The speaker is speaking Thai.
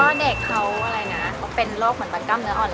ก็เด็กเขาอะไรนะเขาเป็นโรคเหมือนตะกล้ามเนื้ออ่อน